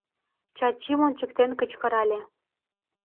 — Чачим ончыктен кычкырале.